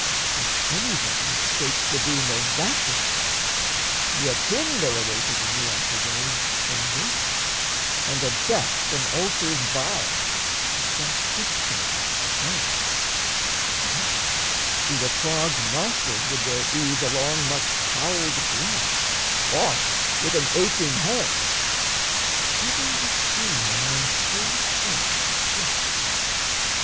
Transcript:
If any then Had 'scaped the doom of that destruction, yet Him there awaited in the after days A wasting and a death from ulcers vile And black discharges of the belly, or else Through the clogged nostrils would there ooze along Much fouled blood, oft with an aching head: Hither would stream a man's whole strength and flesh.